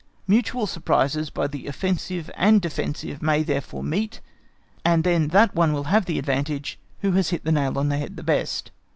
Mutual surprises by the offensive and defensive may therefore meet, and then that one will have the advantage who has hit the nail on the head the best.